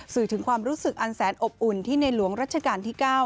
สื่อถึงความรู้สึกอันแสนอบอุ่นที่ในหลวงรัชกาลที่๙